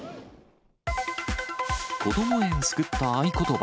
こども園救った合言葉。